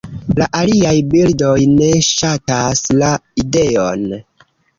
La aliaj birdoj ne ŝatas la ideon.